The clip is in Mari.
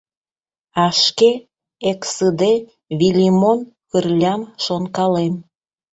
А шке эксыде Вилимон Кырлям шонкалем.